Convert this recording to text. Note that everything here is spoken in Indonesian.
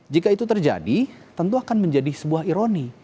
jika itu terjadi tentu akan menjadi sebuah ironi